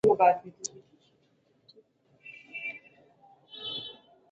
ابدالي په ډهلي کې له مشرانو سره موافقه کړې وه.